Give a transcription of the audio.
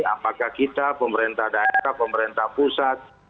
apakah kita pemerintah daerah pemerintah pusat